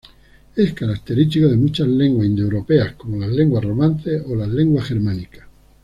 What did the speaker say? Es característico de muchas lenguas indoeuropeas, como las lenguas romances o las lenguas germánicas.